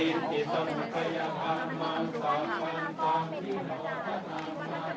มีผู้ที่ได้รับบาดเจ็บและถูกนำตัวส่งโรงพยาบาลเป็นผู้หญิงวัยกลางคน